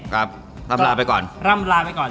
ครับลำลาไปก่อน